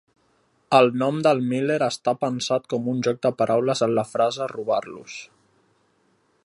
El nom del Miller està pensat com un joc de paraules en la frase "robar-los".